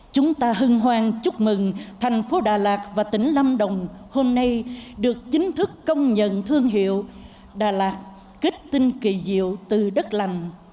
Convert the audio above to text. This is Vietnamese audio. chúng ta hân hoan chúc mừng thành phố đà lạt và tỉnh lâm đồng hôm nay được chính thức công nhận thương hiệu đà lạt kết tinh kỳ diệu từ đất lành